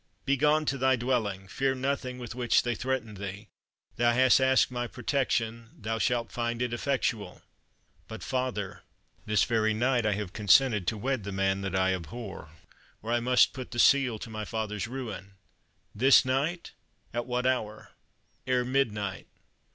Begone to thy dwelling. Fear nothing with which they threaten thee. Thou hast asked my protection thou shalt find it effectual." "But, father, this very night I have consented to wed the man that I abhor, or I must put the seal to my father's ruin." "This night? at what hour?" "Ere midnight."